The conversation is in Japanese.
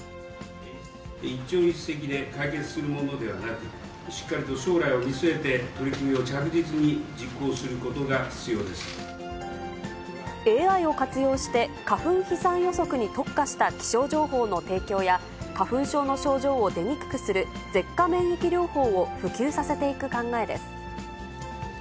一朝一夕で解決するものではなく、しっかりと将来を見据えて取り組みを着実に実行することが必要でＡＩを活用して、花粉飛散予測に特化した気象情報の提供や、花粉症の症状を出にくくする舌下免疫療法を普及させていく考えです。